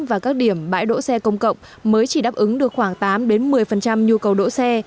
và các điểm bãi đỗ xe công cộng mới chỉ đáp ứng được khoảng tám một mươi nhu cầu đỗ xe